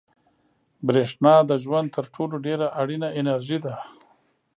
برېښنا د ژوند تر ټولو ډېره اړینه انرژي ده.